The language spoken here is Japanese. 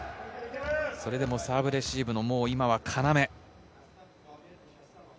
それでもサーブ、レシーブの要。